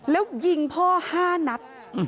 แล้วยิงพ่อ๕นัด